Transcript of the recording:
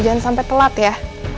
jangan sampai telat ya